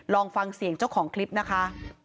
ลองฟังเสียงเจ้าของคลิปนะคะ